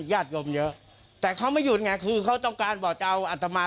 ญาติโยมเยอะแต่เขาไม่หยุดไงคือเขาต้องการบอกจะเอาอัตมา